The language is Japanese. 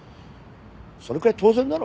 それくらい当然だろ。